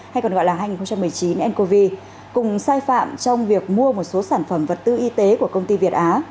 hay còn gọi là hai nghìn một mươi chín ncov cùng sai phạm trong việc mua một số sản phẩm vật tư y tế của công ty việt á